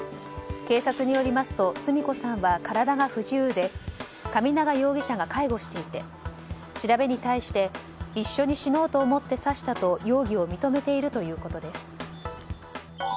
警察によりますとスミ子さんは体が不自由で神長容疑者が介護していて調べに対して一緒に死のうと思って刺したと容疑を認めているということです。